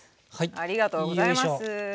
ありがとうございます。